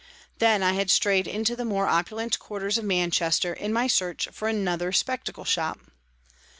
Then I had strayed into the more opulent quarters of Manchester, in my search for another spectacle shop.